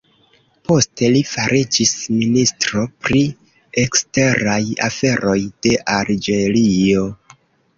Poste li fariĝis ministro pri eksteraj aferoj de Alĝerio.